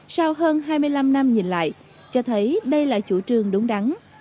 sau hơn hai mươi năm năm nhìn lại cho thấy đây là chủ trương đúng đắn